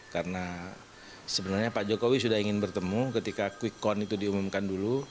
karena sebenarnya pak jokowi sudah ingin bertemu ketika quickcon itu diumumkan dulu